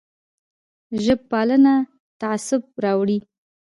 ژب پالنه تعصب راوړي